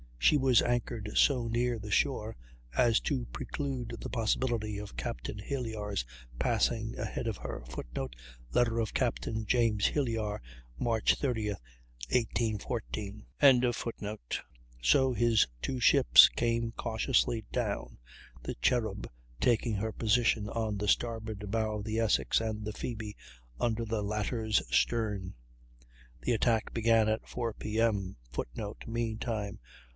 She was anchored so near the shore as to preclude the possibility of Captain Hilyar's passing ahead of her; [Footnote: Letter of Captain James Hilyar, March 30, 1814.] so his two ships came cautiously down, the Cherub taking her position on the starboard bow of the Essex, and the Phoebe under the latter's stern. The attack began at 4 P.M. [Footnote: Mean time.